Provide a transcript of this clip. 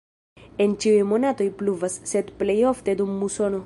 En ĉiuj monatoj pluvas, sed plej ofte dum musono.